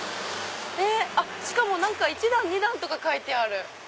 しかも「１段」「２段」とか書いてある。